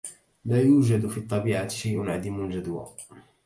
لا يوجد في الطبيعة شئ عديم الجدوى.